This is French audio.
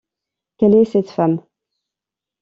Quelle est cette femme?